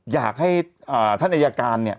อยากให้ท่านอายการเนี่ย